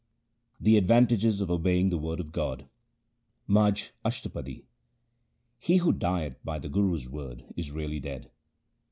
The advantages of obeying the word of God :— Majh Ashtapadi He who dieth by the Guru's word is really dead.